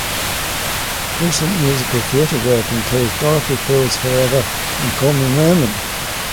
Recent musical theatre work includes: "Dorothy Fields Forever" and "Call Me Merman".